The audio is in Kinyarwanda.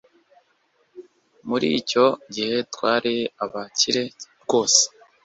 muri icyo gihe, twari abakire rwose